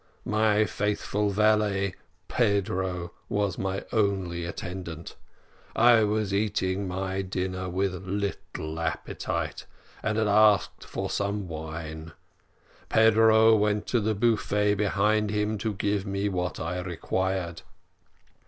My faithful valet Pedro was my only attendant. I was eating my dinner with little appetite, and had asked for some wine. Pedro went to the beaufet behind him, to give me what I required.